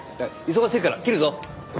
忙しいから切るぞ。